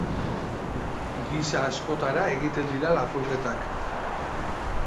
Gisa askotara egiten dira lapurretak.